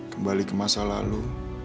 kembali ke masa lalu